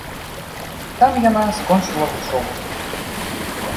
Там яна скончыла вучобу.